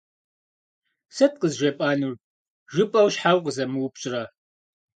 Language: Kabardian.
«Сыт къызжепӏэнур?» жыпӏэу, щхьэ укъызэмыупщӏрэ?